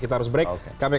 kita harus break